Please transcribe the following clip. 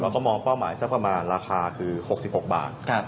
ก็มองเป้าหมายสักประมาณราคาคือ๖๖บาท